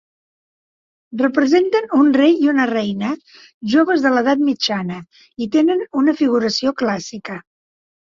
Representen un rei i una reina joves de l'edat mitjana i tenen una figuració clàssica.